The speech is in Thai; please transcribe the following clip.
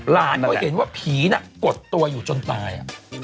หลานก็เห็นว่าผีน่ะกดตัวอยู่จนตาย